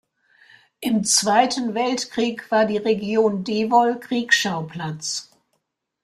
Im Zweiten Weltkrieg war die Region Devoll Kriegsschauplatz.